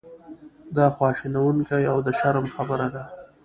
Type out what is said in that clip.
دا خواشینونکې او د شرم خبره ده.